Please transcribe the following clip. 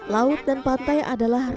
laut dan pantai adalah